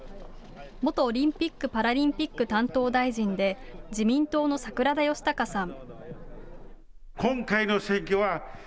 元オリンピック・パラリンピック担当大臣で自民党の桜田義孝さん。